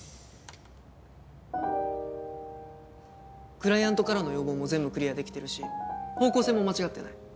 クライアントからの要望も全部クリアできてるし方向性も間違ってない。